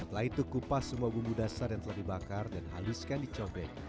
setelah itu kupas semua bumbu dasar yang telah dibakar dan haluskan di cobek